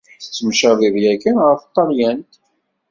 Tettemcabiḍ yakan ɣer talyant.